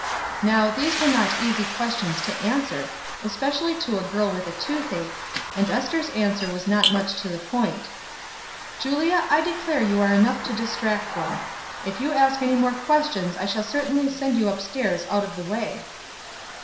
Now, these were not easy questions to answer, especially to a girl with the toothache, and Ester's answer was not much to the point. "Julia, I declare you are enough to distract one. If you ask any more questions I shall certainly send you up stairs out of the way."